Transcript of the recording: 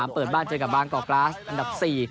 เปิดบ้านเจอกับบางกอกกราสอันดับ๔